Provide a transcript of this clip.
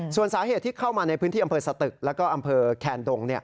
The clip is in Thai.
ส่วนสาเหตุที่เข้ามาในพื้นที่อำเภอสตึกแล้วก็อำเภอแคนดง